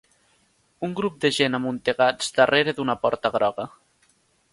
Un grup de gent amuntegats darrere d'una porta groga.